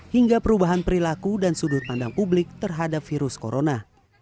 hingga perubahan perilaku dan sudut pandang publik terhadap virus corona